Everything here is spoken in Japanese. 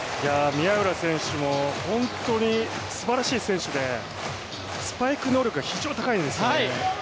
宮浦選手も本当にすばらしい選手でスパイク能力が非常に高いんですよね。